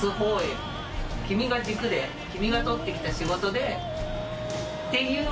君が軸で君がとってきた仕事で。